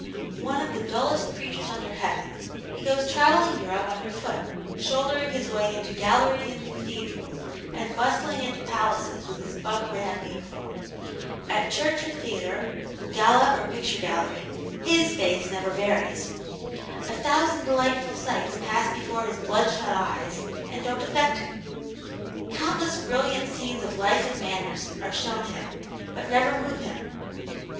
One of the dullest creatures under heaven, he goes travelling Europe under foot, shouldering his way into galleries and cathedrals, and bustling into palaces with his buck ram uniform. At church or theatre, gala or picture gallery, HIS face never varies. A thousand delightful sights pass before his bloodshot eyes, and don't affect him. Countless brilliant scenes of life and manners are shown him, but never move him.